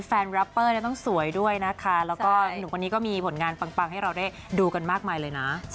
แรปเปอร์ต้องสวยด้วยนะคะแล้วก็หนุ่มคนนี้ก็มีผลงานปังให้เราได้ดูกันมากมายเลยนะ